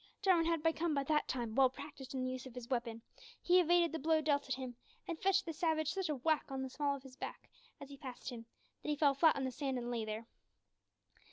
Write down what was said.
Jarwin had become by that time well practised in the use of his weapon; he evaded the blow dealt at him, and fetched the savage such a whack on the small of his back as he passed him, that he fell flat on the sand and lay there.